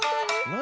何？